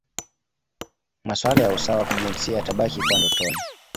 Masuala ya usawa wa kijinsia yatabaki kuwa ndotoni